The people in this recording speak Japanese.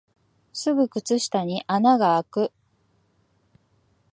すぐ靴下に穴があく